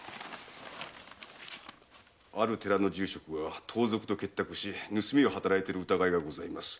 「ある寺の住職は盗賊と結託し盗みを働いている疑いがございます。